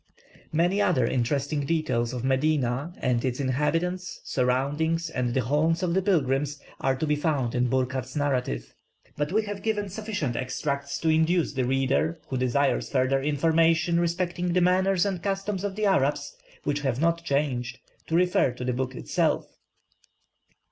Many other interesting details of Medina, and its inhabitants, surroundings, and the haunts of pilgrims, are to be found in Burckhardt's narrative. But we have given sufficient extracts to induce the reader who desires further information respecting the manners and customs of the Arabs, which have not changed, to refer to the book itself.